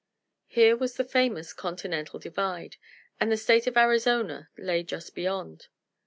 Here was the famous Continental Divide, and the State of Arizona lay just beyond.